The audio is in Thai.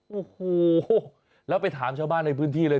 โอ้โหแล้วไปถามชาวบ้านในพื้นที่เลย